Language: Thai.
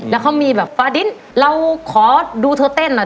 แล้วมีแบบฟาดินทร์เราขอดูเธอเต้นด้วยด้วย